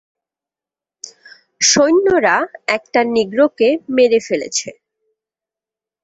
সৈন্যরা একটা নিগ্রোকে মেরে ফেলেছে।